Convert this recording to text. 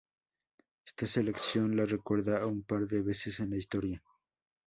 Esta lección la recuerda un par de veces en la historia.